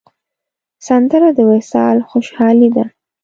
سندره د وصال خوشحالي ده